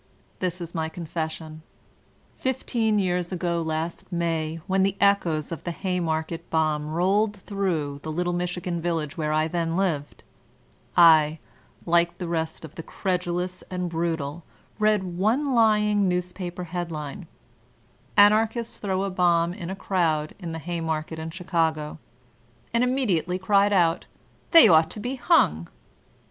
This is my confession: Fifteen years ago last May when the echoes of the Haymarket bomb rolled through the little Michigan village where I then lived, I, like the rest of the credulous and brutal, read one lying newspaper headline, ''Anarchists throw a bomb in a crowd in the Haymarket in Chicago,*' and immediately cried out, "They ought to be hung."